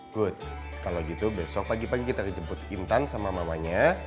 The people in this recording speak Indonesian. good kalau gitu besok pagi pagi kita dijemput intan sama mamanya